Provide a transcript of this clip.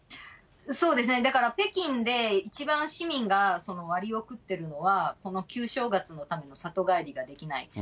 だから北京で一番市民がわりを食ってるのは、この旧正月のための里帰りができない。